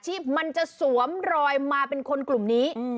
ที่มันจะสวมรอยมาเป็นคนกลุ่มนี้